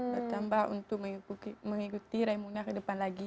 bertambah untuk mengikuti raimu nasional ke depan lagi